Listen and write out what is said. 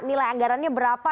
nilai anggarannya berapa